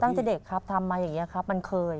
ตั้งแต่เด็กครับทำมาอย่างนี้ครับมันเคย